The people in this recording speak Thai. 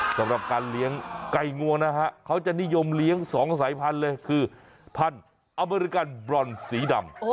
สำหรับการเลี้ยงไก่งวงนะฮะเขาจะนิยมเลี้ยง๒สายพันธุ์เลยคือพันธุ์อเมริกันบรอนสีดำ